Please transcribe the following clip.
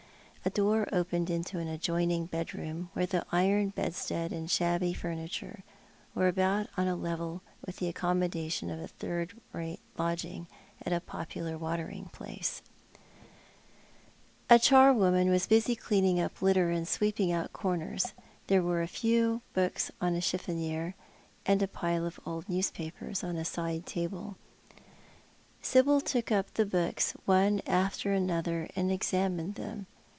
A door opened into an adjoining bed room, where the iron bedstead and shaliby furniture were about on a level with the accommodation of third rate lodgings at a popular watering place. The Vicar of St. J7idcs. 243 A charwoman was busy clearing up litter and sweeping out corners. There were a few books on a chiffonier, and a pile of old newspripers on a side table. Sibyl took np the books one after another and examined them.